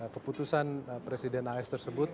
keputusan presiden as tersebut